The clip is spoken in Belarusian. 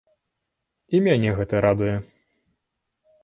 І мяне гэта радуе.